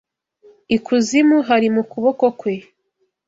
Ikuzimu hari mu kuboko kwe